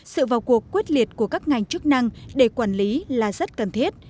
sự vào cuộc quyết liệt của các ngành chức năng để quản lý là rất cần thiết